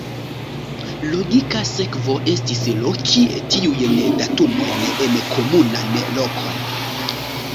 Logika sekvo estis loki tiujn datumojn en komunan lokon.